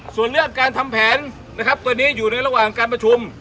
ส่วนเรื่องการทำแผนนะครับตอนนี้อยู่ในระหว่างการประชุม